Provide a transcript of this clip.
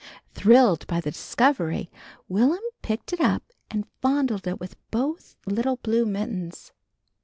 Thrilled by the discovery, Will'm picked it up and fondled it with both little blue mittens.